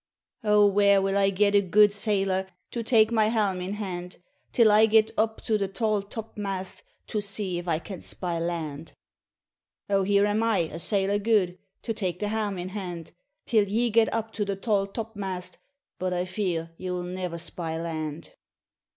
*O where will I get a gude sailor, To take my helm in hand, Till I get up to the tall top mast; To see if I can spy land?' 'O here am I, a sailor gude, To take the helm in hand, Till ye get up to the tall top mast: But I fear you'll ne'er spy land.'